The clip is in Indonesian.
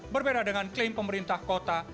berbeda dengan klaim pemerintah kota